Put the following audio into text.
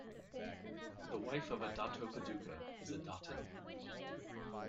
The wife of a Dato Paduka is a "Datin".